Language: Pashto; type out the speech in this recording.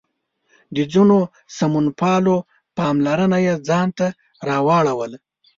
د ځینو سمونپالو پاملرنه یې ځان ته راواړوله.